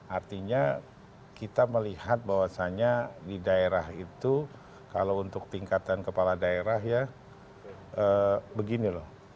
artinya kita melihat bahwasannya di daerah itu kalau untuk tingkatan kepala daerah ya begini loh